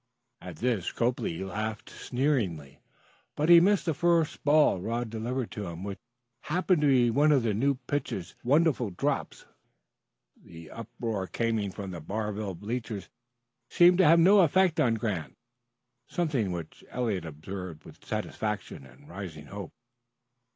At this Copley laughed sneeringly, but he missed the first ball Rod delivered to him, which happened to be one of the new pitcher's wonderful drops. The uproar coming from the Barville bleachers seemed to have no effect on Grant, something which Eliot observed with satisfaction and rising hope.